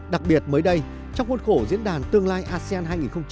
đặc biệt mới đây trong khuôn khổ diễn đàn tương lai asean hai nghìn hai mươi bốn